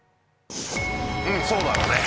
うんそうだろうね。